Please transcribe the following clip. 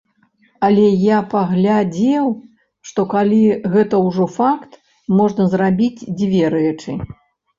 Але я паглядзеў, што калі гэта ўжо факт, можна зрабіць дзве рэчы.